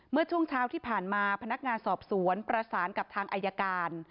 เมื่อช่วงเช้าที่ผ่านมาพนักงานสอบสวนประสานกับทางอายการ